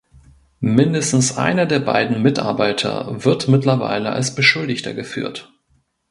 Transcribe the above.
Mindestens einer der beiden Mitarbeiter wird mittlerweile als Beschuldigter geführt.